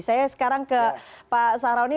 saya sekarang ke pak sahroni